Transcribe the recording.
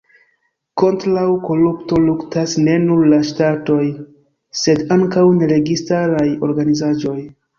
Kontraŭ korupto luktas ne nur la ŝtatoj, sed ankaŭ neregistaraj organizaĵoj.